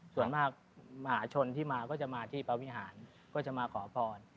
ส่วนมากมหาชนที่มาก็จะมาที่ประวิหารก็จะมาขอพร